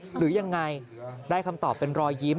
หรือยังไงได้คำตอบเป็นรอยยิ้ม